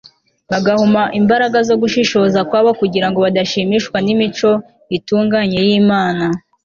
bagahuma imbaraga zo gushishoza kwabo kugira ngo badashimishwa n'imico itunganye y'imana